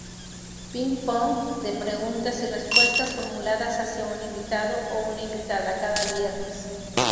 Ping-pong de preguntas y respuestas formuladas hacia un invitado o una invitada, cada viernes.